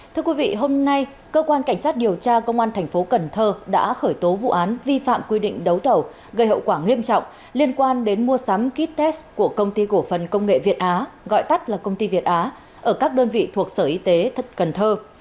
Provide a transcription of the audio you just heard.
thưa quý vị hôm nay cơ quan cảnh sát điều tra công an thành phố cần thơ đã khởi tố vụ án vi phạm quy định đấu thầu gây hậu quả nghiêm trọng liên quan đến mua sắm kites của công ty cổ phần công nghệ việt á gọi tắt là công ty việt á ở các đơn vị thuộc sở y tế cần thơ